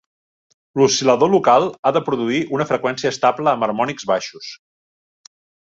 L'oscil·lador local ha de produir una freqüència estable amb harmònics baixos.